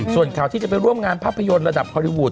ส่วนข่าวที่จะไปร่วมงานภาพยนตร์ระดับฮอลลี่วูด